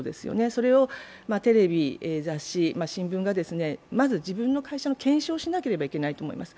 それをテレビ、雑誌、新聞がまず自分の会社の検証をしなければいけないと思います。